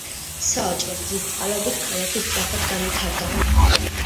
სავაჭრო გზის წყალობით ქალაქი სწრაფად განვითარდა.